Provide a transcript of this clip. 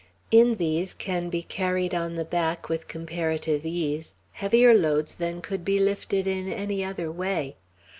In these can be carried on the back, with comparative ease, heavier loads than could be lifted in any other way.